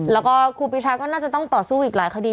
แล้วก็ครูปีชาก็น่าจะต้องต่อสู้อีกหลายคดี